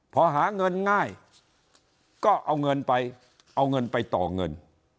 พอหาเงินง่ายก็เอาเงินไปเอาเงินไปต่อเงิน